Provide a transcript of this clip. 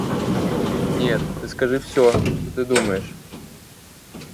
Нет, ты скажи всё, что ты думаешь!